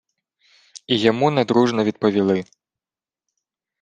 І йому недружно відповіли: